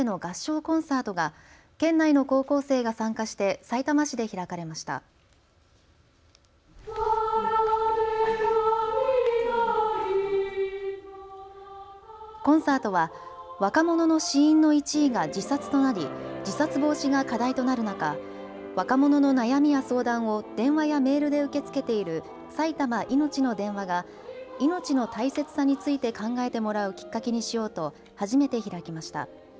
コンサートは若者の死因の１位が自殺となり自殺防止が課題となる中、若者の悩みや相談を電話やメールで受け付けている埼玉いのちの電話が命の大切さについて考えてもらうきっかけにしようと初めて開きました。